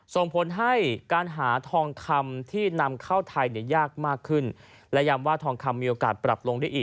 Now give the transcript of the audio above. ส่งผลให้การหาทองคำที่นำเข้าไทยเนี่ยยากมากขึ้นและย้ำว่าทองคำมีโอกาสปรับลงได้อีก